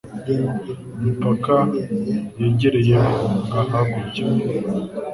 Imipaka yegereye guhunga hakurya.